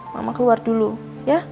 mama keluar dulu ya